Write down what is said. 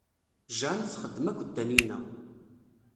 Jane txeddem akked Tanina.